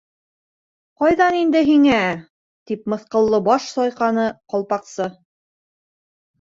—Ҡайҙан инде һиңә! —тип мыҫҡыллы баш сайҡаны Ҡалпаҡсы.